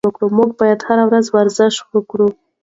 موږ باید هره ورځ ورزش وکړو.